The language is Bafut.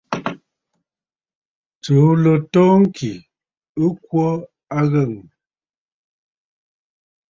Tsùu ló too ŋkì ɨ kwo a aghəŋə̀.